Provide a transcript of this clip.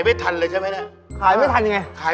พี่โรย